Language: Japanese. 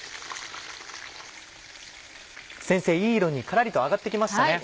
先生いい色にカラリと揚がって来ましたね。